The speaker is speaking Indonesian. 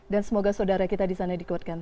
dan semoga saudara kita di sana dikuatkan